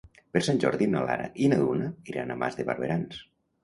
Per Sant Jordi na Lara i na Duna iran a Mas de Barberans.